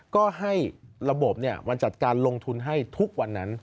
ก็ให้ระบบมันจัดการลงทุนให้ทุกวันนั้น